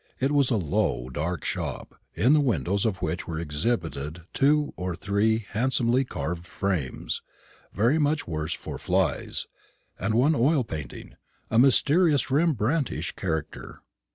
It was a low dark shop, in the window of which were exhibited two or three handsomely carved frames, very much the worse for flies, and one oil painting, of a mysterious and Rembrandtish character.